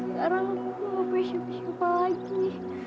sekarang aku mau syuting apa lagi